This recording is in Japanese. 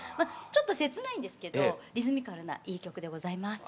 ちょっと切ないんですけどリズミカルないい曲でございます。